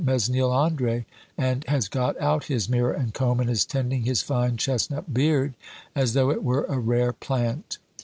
Mesnil Andre has got out his mirror and comb and is tending his fine chestnut beard as though it were a rare plant.